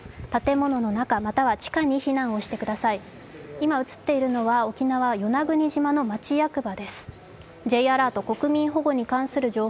今映っているのは与那国島の町役場です。